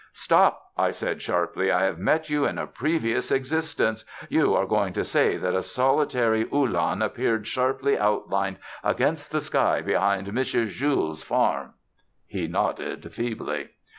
"Stop!" I said sharply. "I have met you in a previous existence. You are going to say that a solitary Uhlan appeared sharply outlined against the sky behind M. Jules' farm." He nodded feebly.